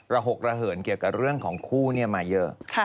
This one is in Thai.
หกระเหินเกี่ยวกับเรื่องของคู่มาเยอะ